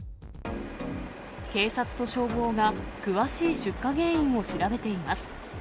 警察と消防が詳しい出火原因を調べています。